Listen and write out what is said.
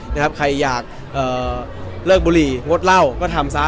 นะครับใครอยากเลิกบุหรี่งดเหล้าก็ทำซะ